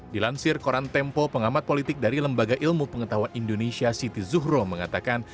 dilansir koran tempo pengamat politik dari lembaga ilmu pengetahuan indonesia siti zuhro mengatakan